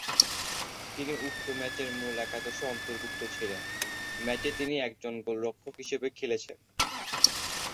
তিনি উক্ত ম্যাচের মূল একাদশে অন্তর্ভুক্ত ছিলেন; ম্যাচে তিনি একজন গোলরক্ষক হিসেবে খেলেছেন।